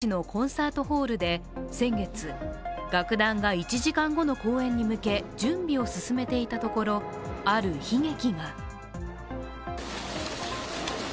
静岡県裾野市のコンサートホールで先月、楽団が１時間後の公演に向け準備を進めていたところ、ある悲劇が。